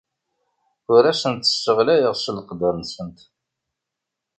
Ur asent-sseɣlayeɣ s leqder-nsent.